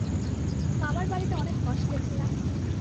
মামার বাড়িতে অনেক কষ্টে ছিলাম।